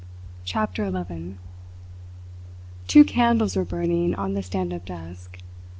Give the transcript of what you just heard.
CHAPTER ELEVEN Two candles were burning on the stand up desk.